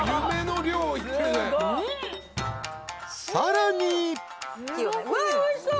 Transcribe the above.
［さらに］おいしそう。